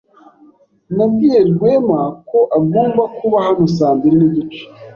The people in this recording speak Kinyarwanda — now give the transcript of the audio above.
Nabwiye Rwema ko agomba kuba hano saa mbiri nigice.